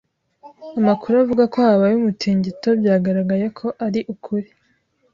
Amakuru avuga ko habaye umutingito byagaragaye ko ari ukuri.